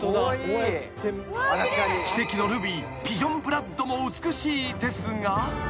［奇跡のルビーピジョンブラッドも美しいですが］